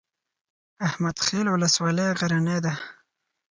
احمد خیل ولسوالۍ غرنۍ ده؟